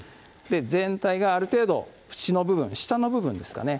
全体がある程度縁の部分下の部分ですかね